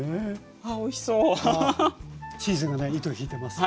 あっチーズがね糸引いてます。